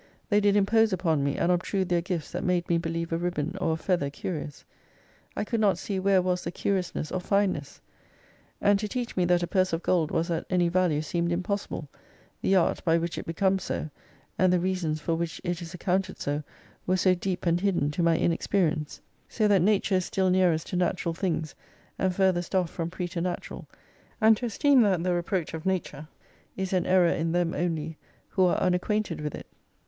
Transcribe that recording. They did impose upon me, and obtrude their gifts that made me believe a ribbon or a feather curious. I could not see where was the curiousness or fineness ; And to teach me that a purse of gold was at any value seemed impossible, the art by which it becomes so, and the reasons for which it is accounted so, were so deep and hidden to my inexperience. So that Nature is still nearest to natural things, and farthest off from preter natural ; and to esteem that the reproach of Nature, is an error in them only who are unacquainted with it.